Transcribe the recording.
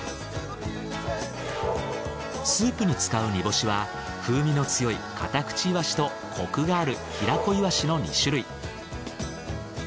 スープに使う煮干しは風味の強いカタクチイワシとコクがある平子イワシの２種類。